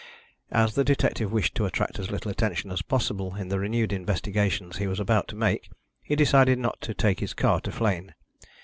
As the detective wished to attract as little attention as possible in the renewed investigations he was about to make, he decided not to take his car to Flegne.